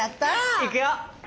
いくよ！